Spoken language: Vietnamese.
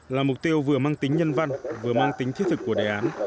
là mục tiêu vừa mang tính nhân văn vừa mang tính thiết thực của đề án